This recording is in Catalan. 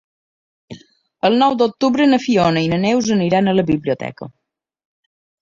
El nou d'octubre na Fiona i na Neus aniran a la biblioteca.